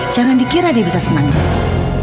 jangan dikira dia bisa senang di sini